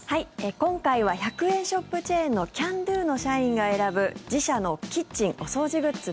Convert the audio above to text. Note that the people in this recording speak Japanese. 今回は１００円ショップチェーンのＣａｎ★Ｄｏの社員が選ぶ自社のキッチン・お掃除グッズ